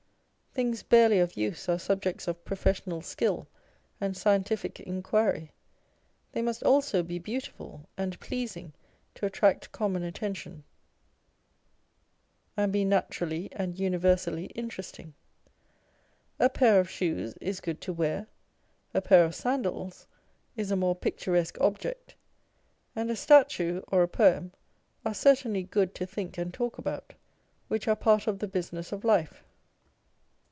Things barely of use are subjects of professional skill and scientific inquiry : they must also be beautiful and pleasing to attract common attention, and be naturally Q 226 On Egotism. and universally interesting. A pair of shoes is good to wear : a pair of sandals is a more picturesque object ; and a statue or a poem are certainly good to think and talk about, which are part of the business of life.